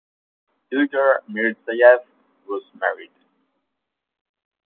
Ilgar Mirzayev was married.